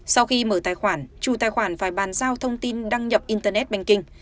sau khi mở tài khoản chủ tài khoản phải bàn giao thông tin đăng nhập internet banking